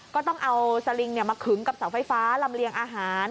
ก็ต้องเอาสลิงมาขึงกับเสาไฟฟ้าลำเลียงอาหาร